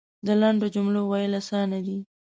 د لنډو جملو ویل اسانه دی .